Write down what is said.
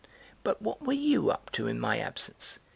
"But what were you up to in my absence?"